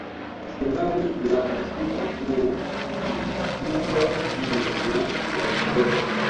Rasilimali ya msitu huu ni kubwa mno na ya kutosha